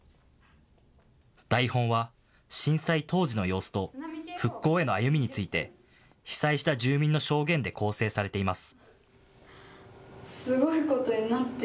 台本は、震災当時の様子と復興への歩みについて被災した住民の証言で構成されています。